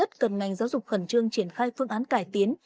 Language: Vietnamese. cần ngành giáo dục khẩn trương triển khai phương án cải tiến